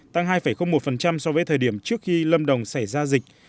tăng hai một so với thời điểm trước khi lâm đồng xảy ra dịch